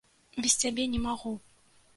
Без цябе не магу!